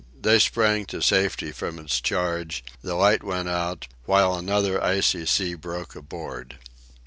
They sprang to safety from its charge, the light went out, while another icy sea broke aboard.